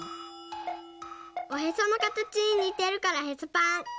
おへそのかたちににてるから「ヘソパン」。